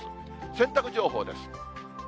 洗濯情報です。